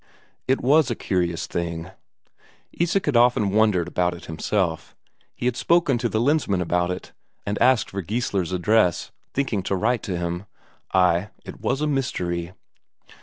It was a curious thing; Isak had often wondered about it himself; he had spoken to the Lensmand about it, and asked for Geissler's address, thinking to write to him ... Ay, it was a mystery.